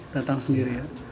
datang sendiri ya